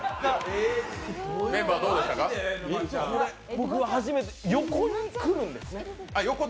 僕は初めて横来るんですね？